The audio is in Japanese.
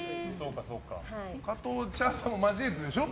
加藤茶さんを交えてでしょ。